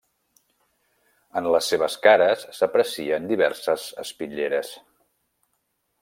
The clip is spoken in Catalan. En les seves cares s'aprecien diverses espitlleres.